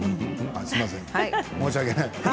申し訳ない。